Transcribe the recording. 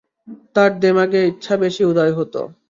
তার দেমাগে ইচ্ছা বেশি উদয় হত।